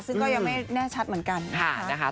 ซึ่งก็ยังไม่แน่ชัดเหมือนกันนะคะ